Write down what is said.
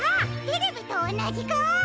テレビとおなじかお！